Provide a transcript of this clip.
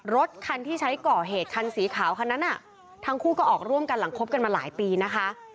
รถคันที่ใช้ก่อเหตุคันสีขาวคันนั้นทั้งคู่ก็ออกร่วมกันหลังคบกันมาหลายปีนะคะ